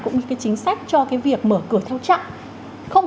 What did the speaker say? cũng như cái chính sách cho cái việc mở cửa theo chặng